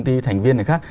thành viên này khác